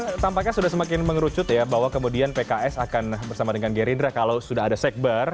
oke tampaknya sudah semakin mengerucut ya bahwa kemudian pks akan bersama dengan gerindra kalau sudah ada sekber